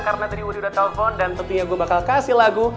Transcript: karena tadi wuri udah telfon dan tentunya gue bakal kasih lagu